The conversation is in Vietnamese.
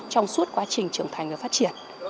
trong suốt quá trình trưởng thành và phát triển